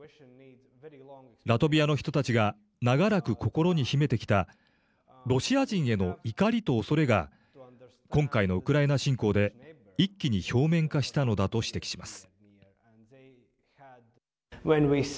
ラトビアの人たちが長らく心に秘めてきたロシア人への怒りと恐れが今回のウクライナ侵攻で一気に表面化したのだと指摘します。